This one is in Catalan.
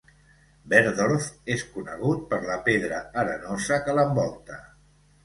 Berdorf és conegut per la pedra arenosa que l'envolta.